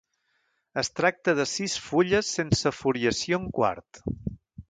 Es tracta de sis fulles sense foliació en quart.